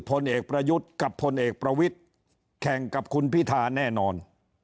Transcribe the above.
พลเอกประยุทธ์กับพลเอกประวิทธิ์แข่งกับคุณพิธาแน่นอน